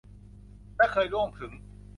และเคยร่วงถึง